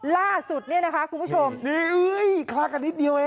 ล่าสุดเนี่ยนะคะคุณผู้ชมนี่ฮื้อ